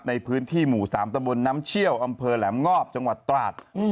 ในพื้นที่หมู่๓ตะบนน้ำเชี่ยวอำเภอแหลมงอบจังหวัดตราด